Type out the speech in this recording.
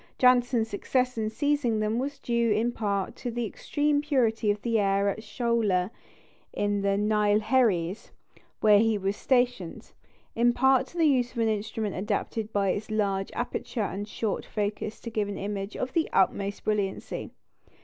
Janssen's success in seizing them was due in part to the extreme purity of the air at Sholoor, in the Neilgherries, where he was stationed; in part to the use of an instrument adapted by its large aperture and short focus to give an image of the utmost brilliancy.